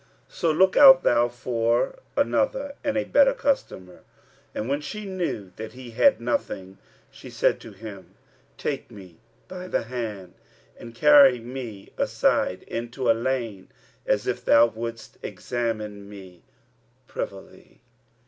So look out thou for another and a better customer." And when she knew that he had nothing, she said to him, "Take me by the hand and carry me aside into a by lane, as if thou wouldst examine me privily."